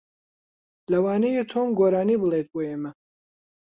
لەوانەیە تۆم گۆرانی بڵێت بۆ ئێمە.